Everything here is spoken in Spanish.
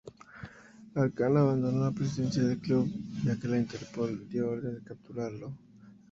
Arkan abandonó la presidencia del club, ya que la Interpol dio orden de capturarlo.